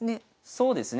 そうですね。